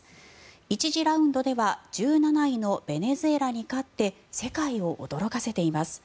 １次ラウンドでは１７位のベネズエラに勝って世界を驚かせています。